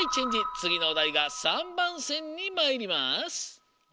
つぎのおだいが３ばんせんにまいります。